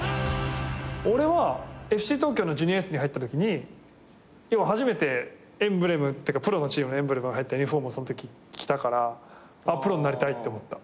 俺はＦＣ東京のジュニアユースに入ったときに要は初めてエンブレムっていうかプロのチームのエンブレムが入ったユニホームをそんとき着たからプロになりたいって思った。